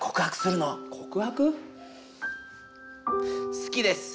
好きです。